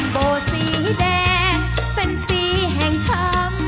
โบสีแดงเป็นสีแห่งช้ำ